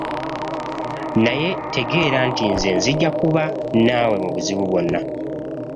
Naye tegeera nti nze njija kuba naawe mu buzibu bwonna.